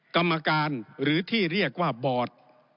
กรรมการหรือที่เรียกว่าบอร์ด